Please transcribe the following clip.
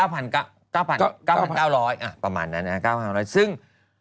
ประมาณนั้นนะ๙๕๐๐ซึ่ง